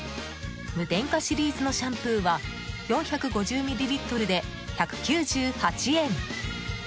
無添加シリーズのシャンプーは４５０ミリリットルで、１９８円。